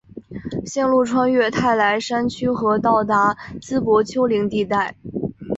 线路穿越泰莱山区和到达淄博丘陵地带。